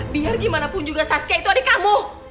biar gimana pun juga saska itu adik kamu